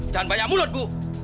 jangan banyak mulut bu